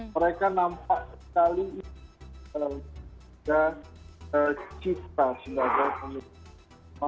mereka nampak sekali ini sudah tercipta